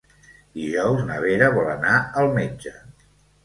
Dijous na Vera vol anar al metge.